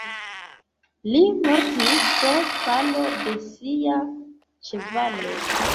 Li mortis pro falo de sia ĉevalo.